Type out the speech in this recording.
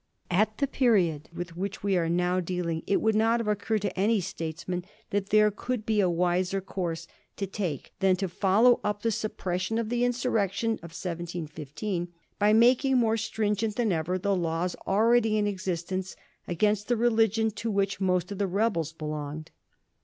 At the period with which we are now dealing it would not have occurred to any statesman that there could be a wiser course to take than to follow up the suppression of the insurrection of 1715 by making more stringent than ever the laws already in existence against the religion to which most of the rebels belonged.